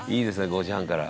５時半から。